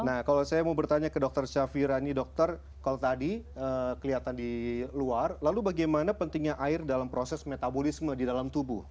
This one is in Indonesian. nah kalau saya mau bertanya ke dokter syafira nih dokter kalau tadi kelihatan di luar lalu bagaimana pentingnya air dalam proses metabolisme di dalam tubuh